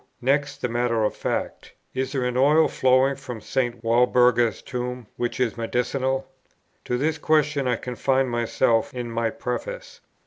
Next, the matter of fact: is there an oil flowing from St. Walburga's tomb, which is medicinal? To this question I confined myself in my Preface.